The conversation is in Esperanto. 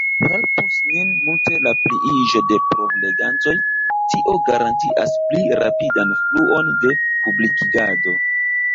Helpus nin multe la pliiĝo de provlegantoj, tio garantias pli rapidan fluon de publikigado.